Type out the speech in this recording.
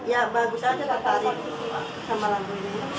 ya bagus aja tertarik sama lampu ini